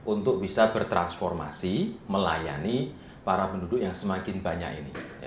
untuk bisa bertransformasi melayani para penduduk yang semakin banyak ini